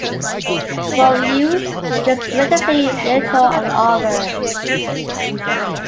For youths, there is relatively little on offer.